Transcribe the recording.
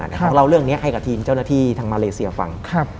ต้องเล่าเรื่องนี้ให้กับทีมเจ้าหน้าที่ทางมาเลเซียฟัง